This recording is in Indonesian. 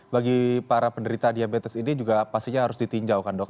bagi para penderita diabetes ini juga pastinya harus ditinjau kan dok